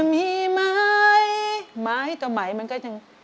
ไม่ต่อใหม่มันก็จะ